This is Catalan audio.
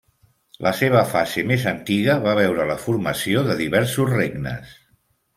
La seva fase més antiga va veure la formació de diversos regnes.